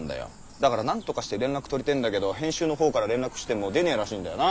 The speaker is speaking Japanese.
だから何とかして連絡取りてーんだけど編集のほうから連絡しても出ねーらしいんだよな。